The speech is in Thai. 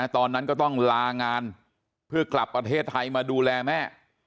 ตอนนั้นก็ต้องลางานเพื่อกลับประเทศไทยมาดูแลแม่